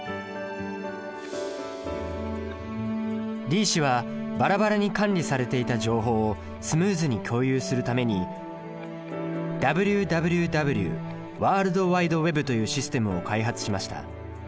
リー氏はばらばらに管理されていた情報をスムーズに共有するためにＷＷＷというシステムを開発しました。